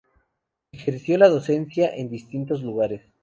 Ejerció la docencia en distintos lugares.